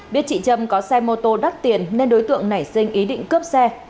biết chị trâm có xe mô tô đắt tiền nên đối tượng nảy sinh ý định cướp xe